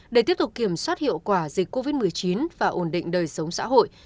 để tiếp tục kiểm soát hiệu quả dịch covid một mươi chín và ổn định đời sống xã hội